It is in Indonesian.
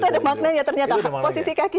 itu ada maknanya ternyata posisi kaki